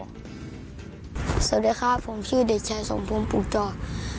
สวัสดีครับผมชื่อเด็กชายสมพงษ์ปลูกจอด